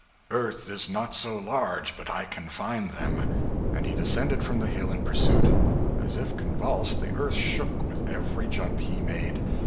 earth is not so large but that I can find them;' and he descended from the hill in pursuit. As if convulsed, the earth shook with every jump he made.